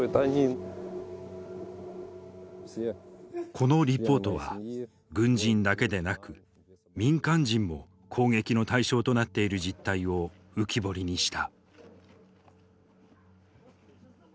このリポートは軍人だけでなく民間人も攻撃の対象となっている実態を浮き彫りにした。